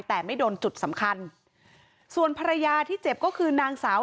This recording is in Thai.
แต่ไม่โดนจุดสำคัญส่วนภรรยาที่เจ็บก็คือนางสาว